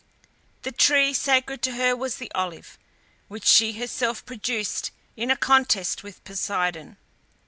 The tree sacred to her was the olive, which she herself produced in a contest with Poseidon.